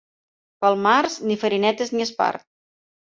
Pel març, ni farinetes ni espart.